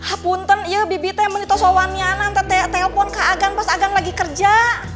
apunten iya bibitem menitoso wanyana nante telpon ke agan pas agan lagi kerja